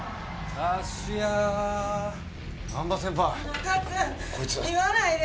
中津言わないで。